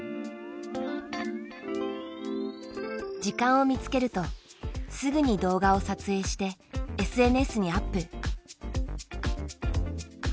時間を見つけるとすぐに動画を撮影してＳＮＳにアップ。